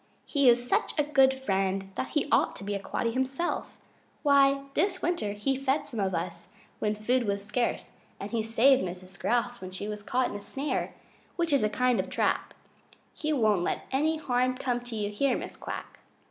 He is such a good friend that he ought to be a Quaddy himself. Why, this last winter he fed some of us when food was scarce, and he saved Mrs. Grouse when she was caught in a snare, which you know is a kind of trap. He won't let any harm come to you here, Mrs. Quack."